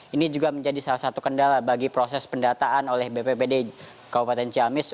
ini juga menjadi salah satu kendala bagi proses pendataan oleh bpbd kabupaten ciamis